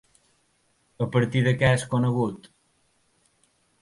A partir de què és conegut?